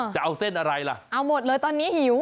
จะเอาเส้นอะไรล่ะเอาหมดเลยตอนนี้หิว